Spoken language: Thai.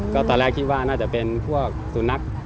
ก็ตอนแรกคิดว่าน่าจะเป็นพวกสุนัข